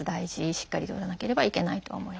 しっかりとらなければいけないと思います。